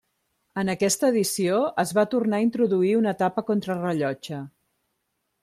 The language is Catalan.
En aquesta edició es va tornar a introduir una etapa contrarellotge.